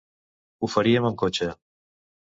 Ho faríem amb cotxe.